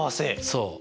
そう。